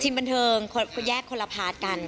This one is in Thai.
ทีมบันเทิงแยกคนละพาร์ทกันค่ะ